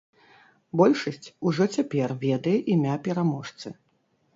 Большасць ужо цяпер ведае імя пераможцы.